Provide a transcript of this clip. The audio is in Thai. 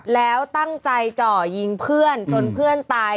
แล้วตั้งใจเจาะยิงเพื่อนจนเพื่อนตาย